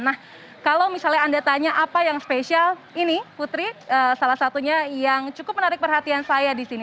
nah kalau misalnya anda tanya apa yang spesial ini putri salah satunya yang cukup menarik perhatian saya di sini